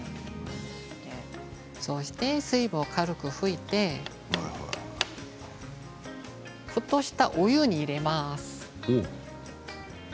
そうして水分を軽く拭いて沸騰したお湯に入れます。